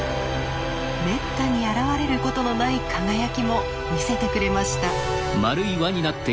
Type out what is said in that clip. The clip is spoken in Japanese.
めったに現れることのない輝きも見せてくれました。